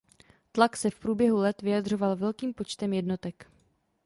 Tlak se v průběhu let vyjadřoval velkým počtem jednotek.